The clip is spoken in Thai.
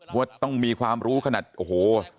ว่าต้องมีความรู้ขนาดโอ้โห